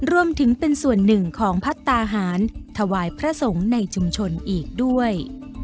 รวมถึงเป็นส่วนหนึ่งของพัฒนาหารถวายพระสงฆ์ในชุมชนอีกด้วย